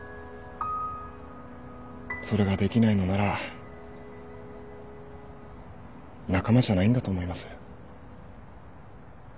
それができないのなら仲間じゃないんだと思います。